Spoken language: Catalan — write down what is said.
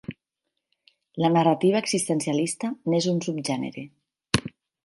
La narrativa existencialista n'és un subgènere.